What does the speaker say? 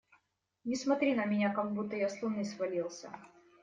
Не смотри на меня, как будто я с Луны свалился!